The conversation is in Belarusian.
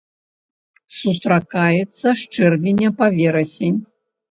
Сустракаецца з чэрвеня па верасень.